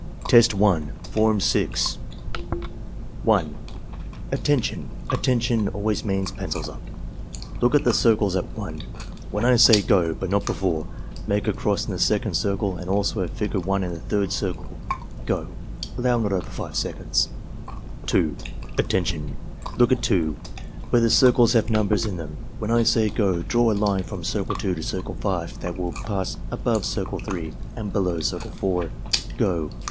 Test 1, Form 6 1. "Attention! 'Attention' always means 'Pencils up,' Look at the circles at 1. When I say 'go' but not before, make a cross in the second circle and also a figure 1 in the third circle. — Go!" (Allow not over 5 seconds.) 2. "Attention! Look at 2, where the circles have numbers in them. When I say 'go' draw a line from Circle 2 to CSrcle 5 that will pass above Circle 3 and below Circle 4. — Go!"